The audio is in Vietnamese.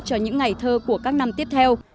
cho những ngày thơ của các năm tiếp theo